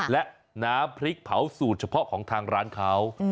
และน้ำพริกเผาสูตรเฉพาะของทางร้านเขา